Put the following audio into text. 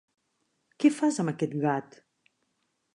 Què fas amb aquest gat?